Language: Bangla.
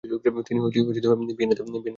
তিনি ভিয়েনাতে ফিরে আসেন।